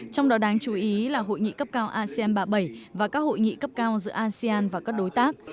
trong đó đáng chú ý là hội nghị cấp cao asean ba mươi bảy và các hội nghị cấp cao giữa asean và các đối tác